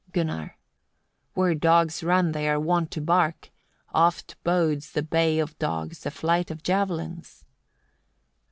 Gunnar. 24. "Where dogs run they are wont to bark: oft bodes the bay of dogs the flight of javelins."